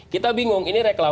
kita bingung ini reklaman